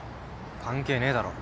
関係ねえだろ。